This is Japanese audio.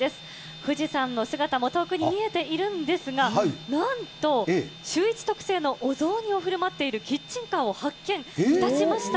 富士山の姿も遠くに見えているんですが、なんと、シューイチ特製のお雑煮をふるまっているキッチンカーを発見いたしました。